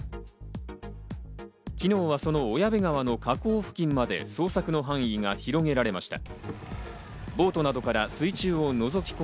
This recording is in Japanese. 昨日は、その小矢部川の河口付近まで捜索の範囲が広げられました。